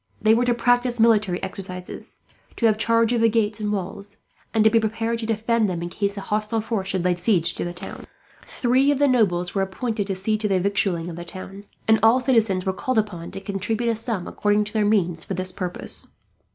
They were to practise military exercises, to have charge of the gates and walls, and to be prepared to defend them, in case a hostile force should lay siege to the city. Three of the nobles were appointed to see to the victualling of the town; and all citizens were called upon to contribute a sum, according to their means, for this purpose.